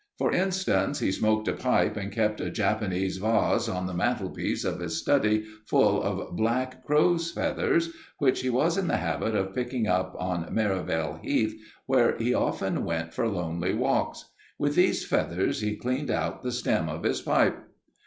For instance, he smoked a pipe and kept a Japanese vase on the mantelpiece of his study full of black crows' feathers, which he was in the habit of picking up on Merivale Heath, where he often went for lonely walks. With these feathers he cleaned out the stem of his pipe.